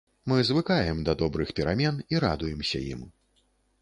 Мы звыкаем да добрых перамен і радуемся ім.